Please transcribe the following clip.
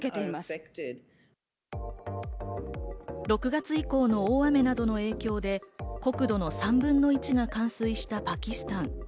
６月以降の大雨などの影響で国土の３分の１が冠水したパキスタン。